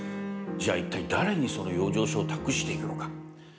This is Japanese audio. じゃあ、いったい誰にその養生所を託していくのか。